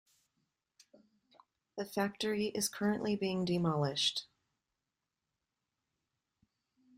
The factory is currently being demolished.